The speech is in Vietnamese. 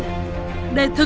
để tham gia đối tượng